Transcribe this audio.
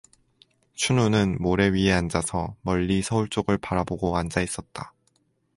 춘우는 모래 위에 앉아서 멀리 서울 쪽을 바라보고 앉아 있었다.